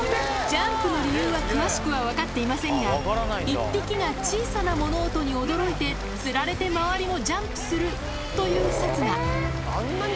ジャンプの理由は詳しくは分かっていませんが、１匹が小さな物音に驚いて、つられて周りもジャンプするという説が。